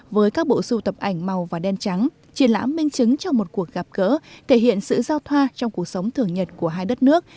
với các bộ sưu tập ảnh màu và đen trắng triển lãm minh chứng cho một cuộc gặp gỡ thể hiện sự giao thoa trong cuộc sống thường nhật của hai đất nước